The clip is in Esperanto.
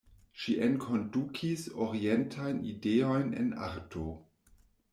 Ŝi enkondukis orientajn ideojn en arto.